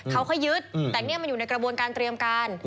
เขาค่อยยึดแต่นี่มันอยู่ในกระบวนการเตรียมการ